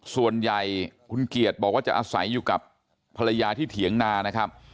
ส่วนใหญ่คุณเกียรติบอกว่าจะอาศัยอยู่กับภรรยาที่เถียงนานะครับ